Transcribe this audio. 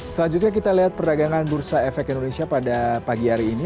selanjutnya kita lihat perdagangan bursa efek indonesia pada pagi hari ini